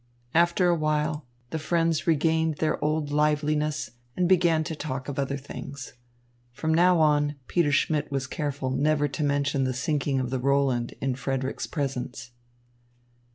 After a while, the friends regained their old liveliness and began to talk of other things. From now on, Peter Schmidt was careful never to mention the sinking of the Roland in Frederick's presence.